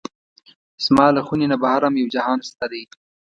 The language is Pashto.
زما له خونې نه بهر هم یو جهان شته دی.